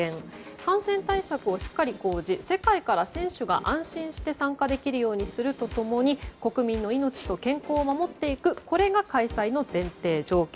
感染対策をしっかり講じ世界から選手が安心して参加できるようにすると共に国民の命と健康を守っていくこれが開催の前提条件。